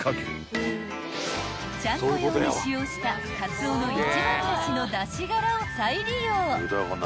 ［ちゃんこ用に使用したカツオの一番だしのだしがらを再利用］